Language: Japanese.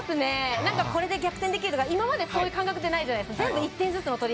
これで逆転できるとかそういう感覚ないじゃないですか。